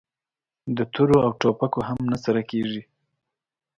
د تورو او ټوپکو هم نه سره کېږي!